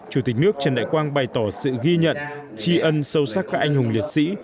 chủ tịch nước trần đại quang bày tỏ sự ghi nhận tri ân sâu sắc các anh hùng liệt sĩ